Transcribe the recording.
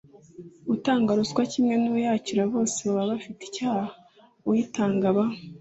Utanga ruswa kimwe n’uyakira bose baba bafite icyaha. Uyitanga aba